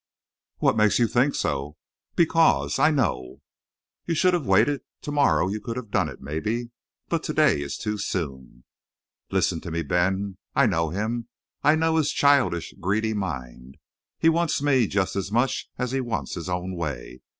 "What makes you think so?" "Because I know." "You should have waited to morrow you could have done it, maybe, but to day is too soon." "Listen to me, Ben. I know him. I know his childish, greedy mind. He wants me just as much as he wants his own way.